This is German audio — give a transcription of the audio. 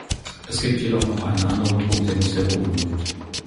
Es gibt jedoch noch einen anderen Punkt, der mich sehr beunruhigt.